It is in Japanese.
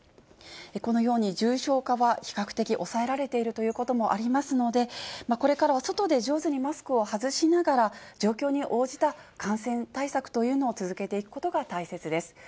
このように、重症化は比較的抑えられているということもありますので、これからは外で上手にマスクを外しながら、状況に応じた感染対策というのを続けていくことが大切です。